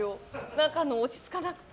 何か、落ち着かなくて。